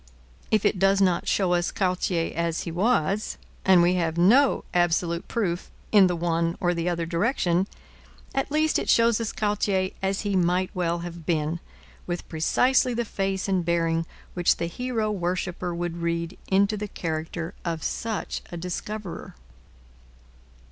If it does not show us Cartier as he was, and we have no absolute proof in the one or the other direction, at least it shows us Cartier as he might well have been, with precisely the face and bearing which the hero worshipper would read into the character of such a discoverer.